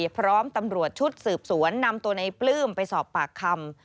พร้อมตำรวจชุดสืบสวนนำตัวในปลื้มไปสอบปากคำ